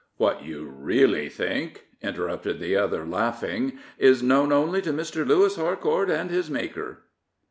" What you teally think/' interrupted the other, laughing, " is known only to Mr. Lewis Harcourt and his Maker."